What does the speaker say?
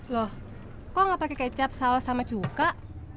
loh kok gak pakai kecap saus sama cukak